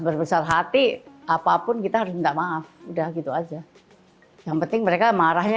berbesar hati apapun kita harus minta maaf udah gitu aja yang penting mereka marahnya